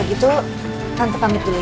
enggak aku ke toilet dulu ya